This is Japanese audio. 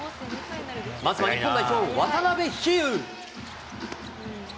まずは日本代表、渡邉飛勇。